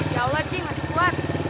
jauh lagi masih kuat